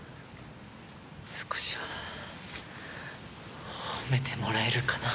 少しは褒めてもらえるかな。